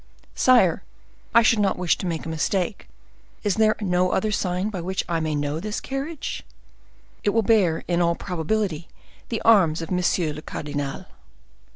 "Sire, I should not wish to make a mistake; is there no other sign by which I may know this carriage?" "It will bear, in all probability, the arms of monsieur le cardinal."